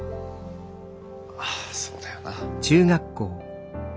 ああそうだよな。